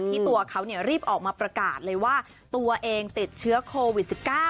ตัวเขารีบออกมาประกาศเลยว่าตัวเองติดเชื้อโควิด๑๙